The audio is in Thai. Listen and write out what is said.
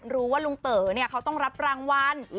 รู้ว่าลุงเต๋อเนี่ยเราต้องรับรางวัล